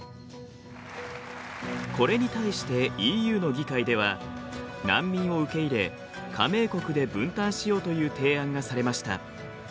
これに対してＥＵの議会では難民を受け入れ加盟国で分担しようという提案がされました。